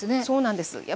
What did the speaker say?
そうなんです。